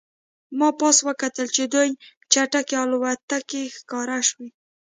ما پاس وکتل چې دوې چټکې الوتکې ښکاره شوې